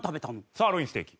サーロインステーキ。